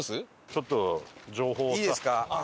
ちょっと情報をさ。